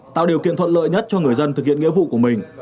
tạo điều kiện thuận lợi nhất cho người dân thực hiện nghĩa vụ của mình